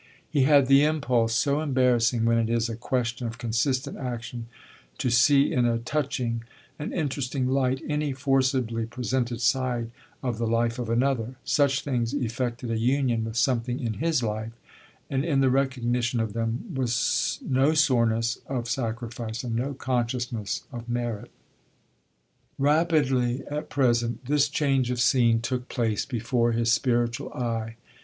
He had the impulse, so embarrassing when it is a question of consistent action, to see in a touching, an interesting light any forcibly presented side of the life of another: such things effected a union with something in his life, and in the recognition of them was no soreness of sacrifice and no consciousness of merit. Rapidly, at present, this change of scene took place before his spiritual eye.